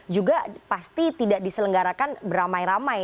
juga pasti tidak diselenggarakan beramai ramai